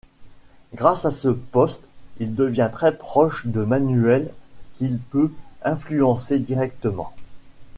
Grâce à ce poste, il devient très proche de Manuel qu'il peut influencer directement.